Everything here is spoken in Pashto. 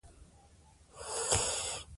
موږ نه پوهېږو سبا څه کیږي.